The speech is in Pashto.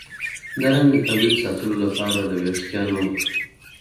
د رنګ د تولید ساتلو لپاره د ویښتانو